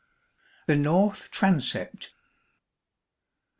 The North Transept.